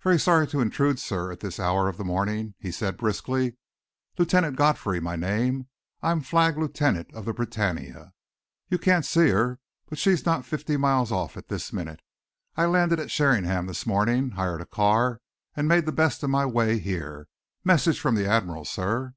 "Very sorry to intrude, sir, at this hour of the morning," he said briskly. "Lieutenant Godfrey, my name. I am flag lieutenant of the Britannia. You can't see her, but she's not fifty miles off at this minute. I landed at Sheringham this morning, hired a car and made the best of my way here. Message from the Admiral, sir."